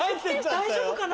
大丈夫かな？